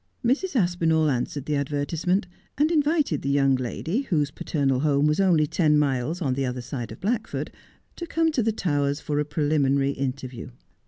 Mrs. Aspinall answered the advertisement, and invited the young lady, whose paternal home was only ten miles on the other side of Blackford, to come to the Towers for a preliminary in terview.